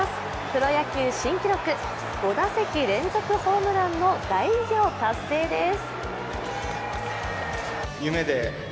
プロ野球新記録、５打席連続ホームランの大偉業達成です。